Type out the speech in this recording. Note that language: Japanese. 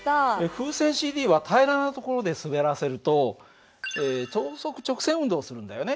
風船ＣＤは平らなところで滑らせると等速直線運動をするんだよね。